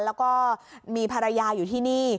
แล้วก็มีภรรยาอยู่ที่นี่